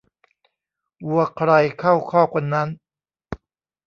วัวใครเข้าคอกคนนั้น